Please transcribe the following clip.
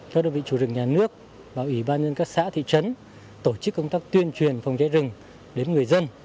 các đơn vị chủ rừng nhà nước và ủy ban nhân các xã thị trấn tổ chức công tác tuyên truyền phòng cháy rừng đến người dân